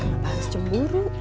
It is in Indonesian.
gak harus cemburu